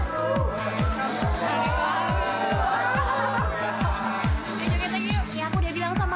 sampai jumpa di video selanjutnya